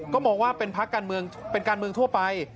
ก็บอกว่าเป็นพักการเมืองทั่วไป